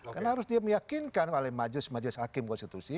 karena harus dia meyakinkan oleh majelis majelis hakim konstitusi